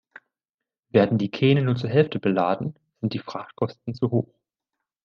Werden die Kähne nur zur Hälfte beladen, sind die Frachtkosten zu hoch.